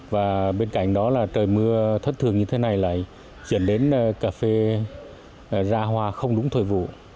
và bên cạnh đó là trời mưa thất thường như thế này là chuyển đến cà phê ra hoa không đúng thời vụ